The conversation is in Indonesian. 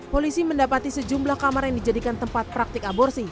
polisi mendapati sejumlah kamar yang dijadikan tempat praktik aborsi